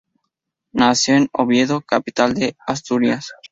Nació en Oviedo, capital de Asturias.